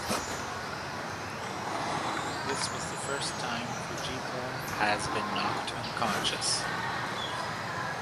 This was the first time Fujita has been knocked unconscious.